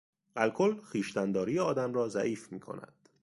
الکل خویشتنداری آدم را ضعیف میکند.